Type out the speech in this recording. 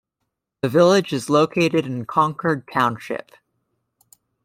The village is located in Concord Township.